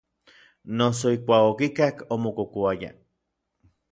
Noso ijkuak okikak omokokouaya.